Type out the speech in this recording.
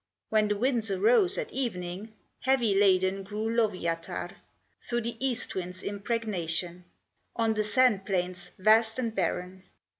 When the winds arose at evening, Heavy laden grew Lowyatar, Through the east wind's impregnation, On the sand plains, vast and barren.